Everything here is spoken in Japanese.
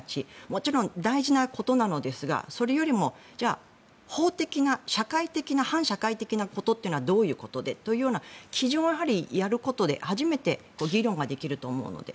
もちろん大事なことなのですがそれよりもじゃあ法的な、社会的な反社会的なことっていうのはどういうことでというような基準をやはりやることで初めて議論ができると思うので。